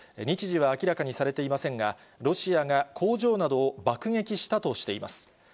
日時は明らかにされていませんが、ロシアが工場などを爆撃したとしています。